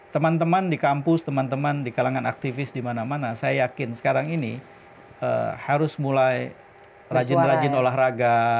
teman teman di kampus teman teman di kalangan aktivis di mana mana saya yakin sekarang ini harus mulai rajin rajin olahraga